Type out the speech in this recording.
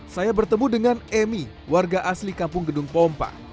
saya bertemu dengan emi warga asli kampung gedung pompa